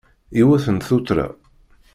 Yiwet n tuttra.